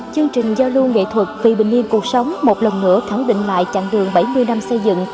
chương trình giao lưu nghệ thuật vì bình yên cuộc sống một lần nữa khẳng định lại chặng đường bảy mươi năm xây dựng